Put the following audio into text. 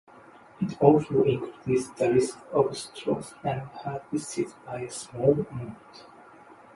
It also increases the risk of strokes and heart disease by a small amount.